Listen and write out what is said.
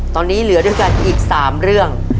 ตอนนี้เหลือด้วยกันอีก๓เรื่อง